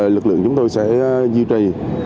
lực lượng chúng tôi sẽ duy trì